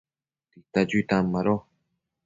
tita chuitan mado